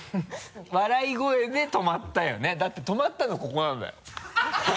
笑い声で止まったよねだって止まったのここなんだよ。